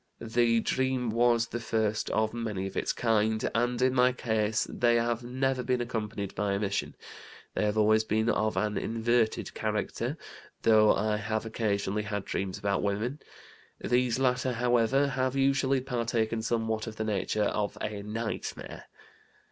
The dream was the first of many of its kind, and in my case they have never been accompanied by emission. They have always been of an 'inverted' character, though I have occasionally had dreams about women. These latter, however, have usually partaken somewhat of the nature of a nightmare!